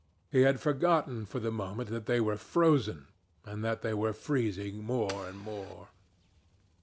He had forgotten for the moment that they were frozen and that they were freezing more and more.